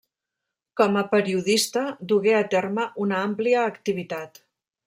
Com a periodista dugué a terme una àmplia activitat.